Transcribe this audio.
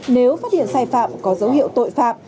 nếu phát hiện sai phạm có dấu hiệu tội phạm